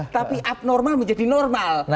tapi abnormal menjadi normal